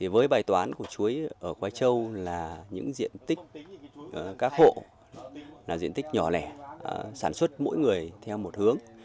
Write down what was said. với bài toán của chuối ở khoai châu là những diện tích các hộ là diện tích nhỏ lẻ sản xuất mỗi người theo một hướng